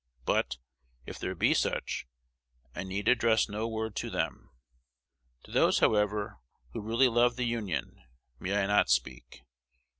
But, if there be such, I need address no word to them. To those, however, who really love the Union, may I not speak?